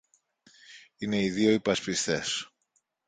Είναι οι δυο υπασπιστές